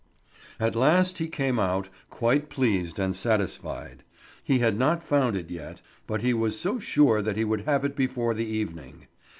At last he came out, quite pleased and satisfied. He had not found it yet, but he was so sure that he would have it before the evening.